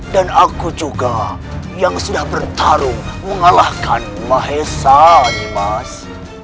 dan aku juga yang sudah bertarung mengalahkan mahesan nih mas